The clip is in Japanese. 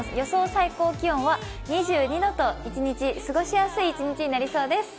最高気温は２２度と一日過ごしやすい一日となりそうです。